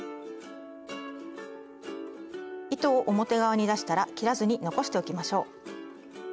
糸を表側に出したら切らずに残しておきましょう。